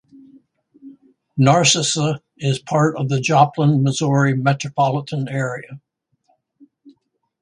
Narcissa is part of the Joplin, Missouri metropolitan area.